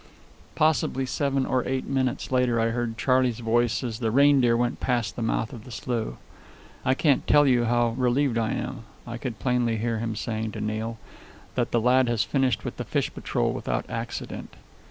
Possibly seven or eight minutes later I heard Charley's voice as the Reindeer went past the mouth of the slough. "I can't tell you how relieved I am," I could plainly hear him saying to Neil, "that the lad has finished with the fish patrol without accident."